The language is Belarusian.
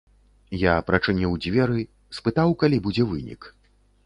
Я прачыніў дзверы, спытаў, калі будзе вынік.